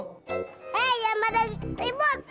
hei yang pada ribut